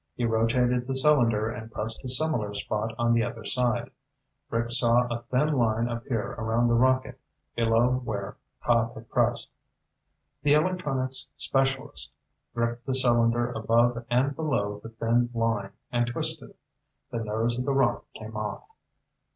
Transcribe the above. He rotated the cylinder and pressed a similar spot on the other side. Rick saw a thin line appear around the rocket below where Cobb had pressed. The electronics specialist gripped the cylinder above and below the thin line and twisted. The nose of the rocket came off.